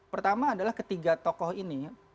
pertama adalah ketiga tokoh ini